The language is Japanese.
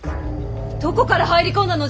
どこから入り込んだのじゃ！